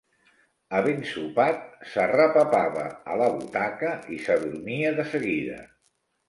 Havent sopat, s'arrepapava a la butaca i s'adormia de seguida.